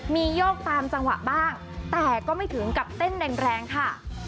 มีโยกตามจังหวะบ้างแต่ก็ไม่ถึงกับเต้นแรงค่ะ